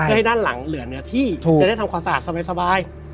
เพื่อให้ด้านหลังเหลือเนื้อที่จะได้ทำความสะอาดสบาย